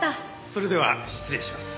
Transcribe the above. それでは失礼します。